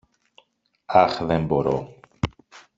Αχ, δεν μπορώ!